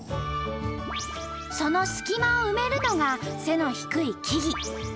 その隙間を埋めるのが背の低い木々。